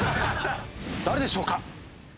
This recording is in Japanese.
誰でしょうか？